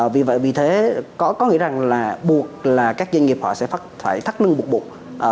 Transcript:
vì vậy vì thế có nghĩa rằng là buộc là các doanh nghiệp họ sẽ phải thắt nâng bụt bụt